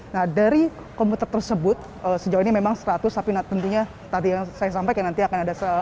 nah dari komputer tersebut sejauh ini memang seratus tapi tentunya tadi yang saya sampaikan nanti akan ada seratus